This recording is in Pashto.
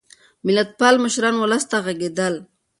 ملتپال مشران ولس ته غږېدل.